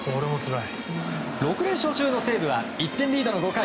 ６連勝中の西武は１点リードの５回。